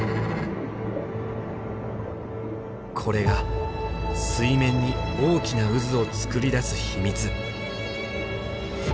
これが水面に大きな渦を作り出す秘密。